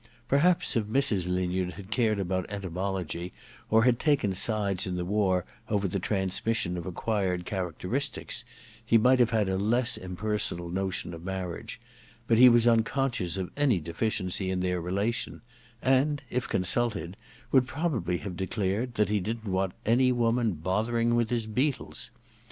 Perhaps if Mrs. Linyard had cared about entomology, or had taken sides in the war over the transmis^on of acquired characteristics, he might have had a less impersonal notion of mar riage ; but he was unconscious of any deficiency in their relation, and if consulted woidd probably have declared that he didn't want any woman bothering with his beetles.